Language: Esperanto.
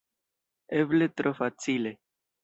Eble tro facile.